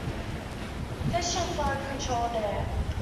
Fishing flood control dam.